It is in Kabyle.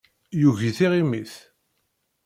Yugi tiɣimit.